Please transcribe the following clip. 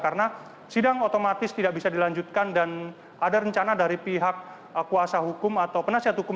karena sidang otomatis tidak bisa dilanjutkan dan ada rencana dari pihak kuasa hukum atau penasihat hukum